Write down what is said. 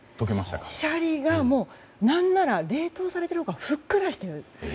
シャリが何なら冷凍されてるほうがふっくらしてる。